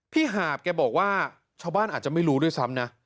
หาบแกบอกว่าชาวบ้านอาจจะไม่รู้ด้วยซ้ำนะ